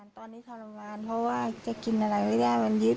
ตอนนี้ทรมานเพราะว่าจะกินอะไรไม่ได้มันยึด